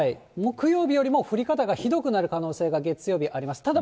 木曜日よりも降り方がひどくなる可能性が月曜日、あります。